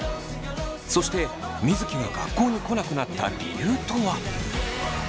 そして水城が学校に来なくなった理由とは？